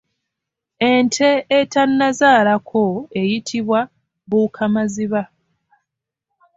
Ente etannazaalako eyitibwa Bbuukamaziba.